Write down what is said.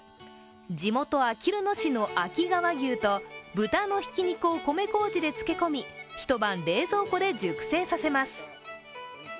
地元・あきる野市の秋川牛と豚のひき肉を米こうじで漬け込み、１晩、冷蔵庫で熟成させます。